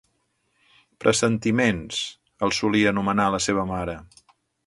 "Pressentiments" els solia anomenar la seva mare.